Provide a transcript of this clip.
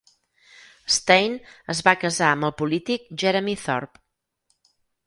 Stein es va casar amb el polític Jeremy Thorpe.